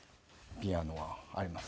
ピアノがあります。